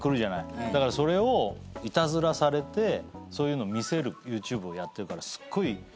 だからそれをいたずらされてそういうのを見せるＹｏｕＴｕｂｅをやってるからすっごいいたずらされんだって。